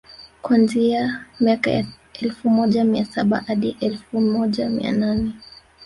kuanzia miaka ya elfu moja mia saba hadi elfu moja mia nane